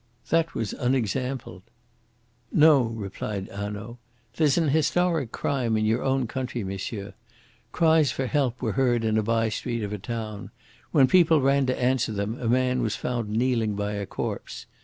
That was unexampled." "No," replied Hanaud. "There's an historic crime in your own country, monsieur. Cries for help were heard in a by street of a town. When people ran to answer them, a man was found kneeling by a corpse.